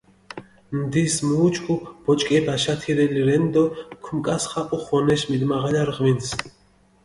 ნდის მუ უჩქუ ბოჭკეფი აშათირელი რენი დო ქუმკასხაპუ ღონეში მიდმაღალარი ღვინს.